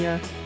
di daerah ini